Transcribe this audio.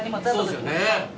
そうですよね。